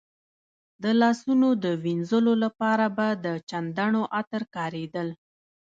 د لاسونو د وینځلو لپاره به د چندڼو عطر کارېدل.